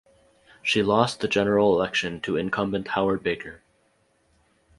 She lost the general election to incumbent Howard Baker.